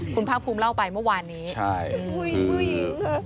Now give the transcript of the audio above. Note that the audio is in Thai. คุณพังภูมิเล่าไปเมื่อวานนี้คือผู้หญิงค่ะ